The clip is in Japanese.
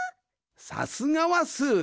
さすがはスー。